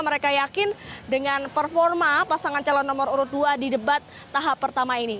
mereka yakin dengan performa pasangan calon nomor urut dua di debat tahap pertama ini